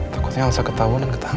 takutnya elsa ketahuan dan ketangkep